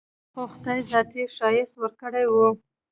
خو خداى ذاتي ښايست وركړى و.